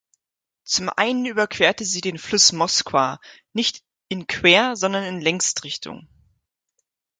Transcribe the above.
Zum einen überquert sie den Fluss Moskwa nicht in Quer-, sondern in Längsrichtung.